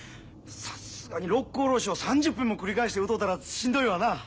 さすがに「六甲おろし」を３０分も繰り返して歌うたらしんどいわな。